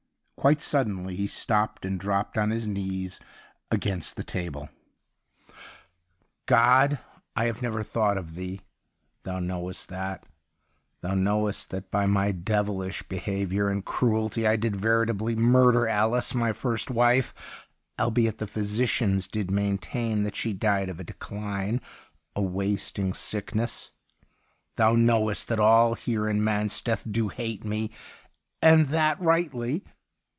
Quite suddenly he stopped and dropped on his knees against the table :' God, I have never thought of no THE UNDYING THING Thee. Thou knowest that — Thou knowest that by my devihsh be haviour and cruelty I did veritably murder Alice, my first wife, albeit the physicians did maintain that she died of a decline — a wasting sickness. Thou knowest that all here in Mansteth do hate me, and that rightly.